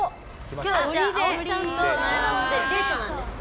きょうはじゃあ青木さんとなえなのでデートなんですね。